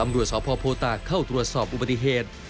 ตำรวจสพโพตากเข้าตรวจสอบอุบัติเหตุ